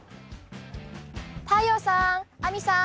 太陽さん亜美さん